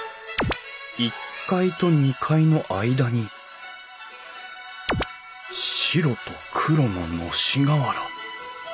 １階と２階の間に白と黒ののし瓦。